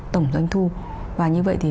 tổng doanh thu và như vậy thì